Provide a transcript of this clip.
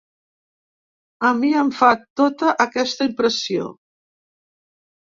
A mi em fa tota aquesta impressió.